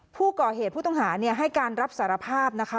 ผู้ต้องหาผู้ต้องหาให้การรับสารภาพนะคะ